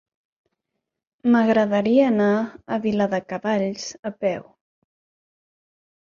M'agradaria anar a Viladecavalls a peu.